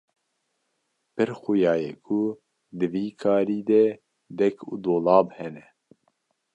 Pir xuya ye ku di vî karî de dek û dolap hene.